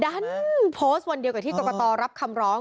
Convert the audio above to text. ดันโพสต์วันเดียวกับที่กรกตรับคำร้อง